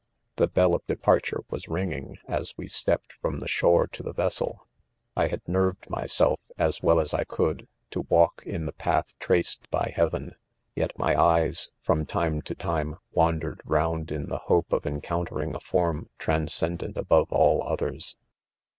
The bell of departure was ring ing, as we stepped from the shore to the ves sel 4 1 had nerved myself, as well as I could, to walk in the path traced by heaven j yet mj eyes, from time' to time, wandered round in the hope of encountering a form transcendent above all others.